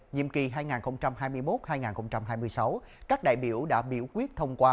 nhiệm kỳ hai nghìn hai mươi một hai nghìn hai mươi sáu các đại biểu đã biểu quyết thông qua